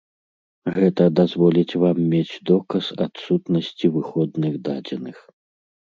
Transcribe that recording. Гэта дазволіць вам мець доказ адсутнасці выходных дадзеных.